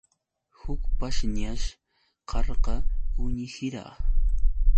Huk pashñash karqa uwihira.